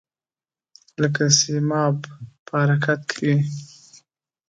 لکه سیماب په حرکت کې وي.